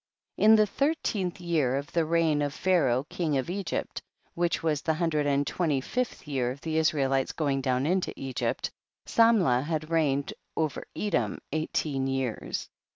2. In the thirteenth year of the reign of Pharaoh king of Eerypt, which was the hundred and twenty fifth year of the Israelites going down into Egypt, Samlah had reign ed over Edom eighteen years.